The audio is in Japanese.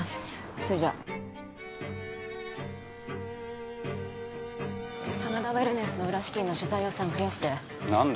それじゃ真田ウェルネスの裏資金の取材予算増やして何で？